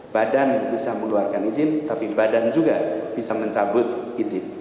badan bisa mengeluarkan izin tapi badan juga bisa mencabut izin